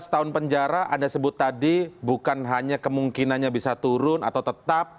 lima belas tahun penjara anda sebut tadi bukan hanya kemungkinannya bisa turun atau tetap